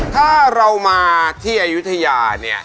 ถ้าเรามาที่อายุทยาเนี่ย